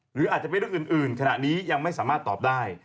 หรืออาจจะเป็นเรื่องอื่นขณะนี้ยังไม่สามารถตอบได้